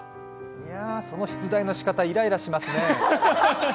いやぁ、その出題のしかた、イライラしますね。